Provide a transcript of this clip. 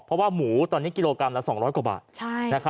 เพราะว่าหมูตอนนี้กิโลกรัมละ๒๐๐กว่าบาท